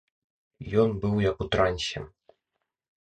Ён быў як у трансе.